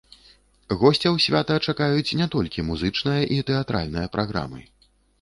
Госцяў свята чакаюць не толькі музычная і тэатральная праграмы.